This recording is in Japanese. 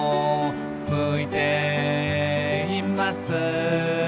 「向いています」